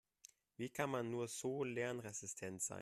Wie kann man nur so lernresistent sein?